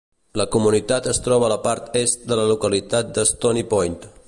La comunitat es troba a la part est de la localitat de Stony Point.